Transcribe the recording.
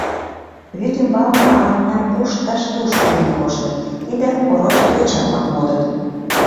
Вӱд ӱмбалне ала-мыняр пуш тыш-туш ийын коштыт: тиде — ороч йоча-влак модыт.